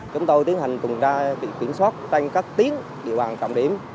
chúng tôi tiến hành cùng ra bị kiểm soát trên các tiếng địa bàn cộng điểm